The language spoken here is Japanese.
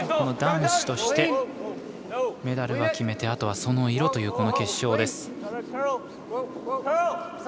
男子として、メダルは決めてあとはその色という決勝です。